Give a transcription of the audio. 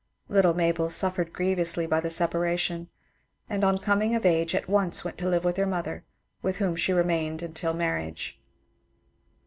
Little Mabel suffered grievously by the separation, and on coming of age at once went to live with her mother, with whom she remained until marriage.